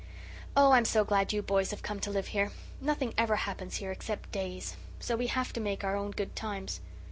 Oh, I'm so glad you boys have come to live here. Nothing ever happens here, except days, so we have to make our own good times.